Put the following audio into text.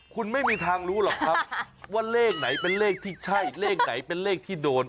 คุณไม่มีทางรู้หรอกครับว่าเลขไหนเป็นเลขที่ใช่เลขไหนเป็นเลขที่โดน